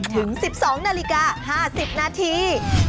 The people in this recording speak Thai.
ถึง๑๒นาฬิกา๕๐นาที